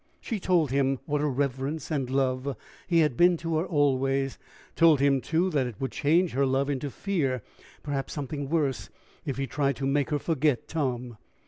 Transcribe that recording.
She told him what a reverence and love he had been to her always; told him, too, that it would change her love into fear, perhaps something worse, if he tried to make her forget Tom.